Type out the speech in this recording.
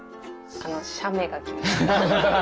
あの写メが来ました。